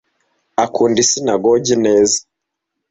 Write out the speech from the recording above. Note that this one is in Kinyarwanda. akunda isinagogi neza